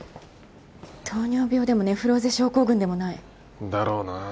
糖尿病でもネフローゼ症候群でもない。だろうな。